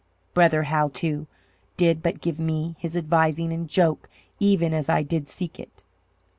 Brother Hal too, did but give me his advising in joke even as I did seek it.